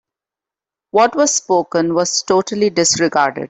What was spoken was totally disregarded.